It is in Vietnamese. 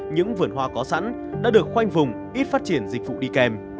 những vườn hoa có sẵn đã được khoanh vùng ít phát triển dịch vụ đi kèm